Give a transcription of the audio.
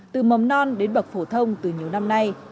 từ mầm non đến bậc phổ thông từ nhiều năm nay